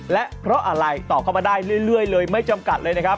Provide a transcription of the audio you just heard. และเพราะอะไรตอบเข้ามาได้เรื่อยเลยไม่จำกัดเลยนะครับ